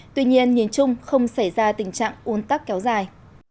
tuy nhiên nhìn chung không xảy ra tình trạng un tắc kéo dài